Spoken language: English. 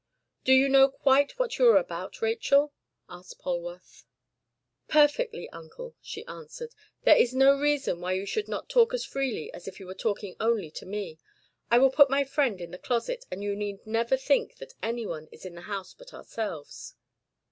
"Do you know quite what you are about, Rachel?" asked Polwarth. "Perfectly, uncle," she answered. "There is no reason why you should not talk as freely as if you were talking only to me. I will put my friend in the closet, and you need never think that anyone is in the house but ourselves."